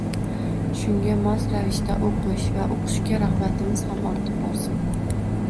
Shunga mos ravishda oʻqish va uqishga ragʻbatimiz ham ortib borsin